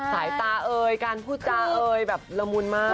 สายตาเอ่ยการพูดจาเอยแบบละมุนมาก